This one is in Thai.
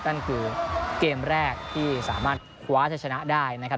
นั่นคือเกมแรกที่สามารถคว้าจะชนะได้นะครับ